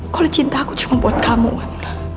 kalau cinta aku cuma buat kamu kan